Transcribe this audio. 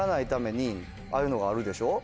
ああいうのがあるでしょ。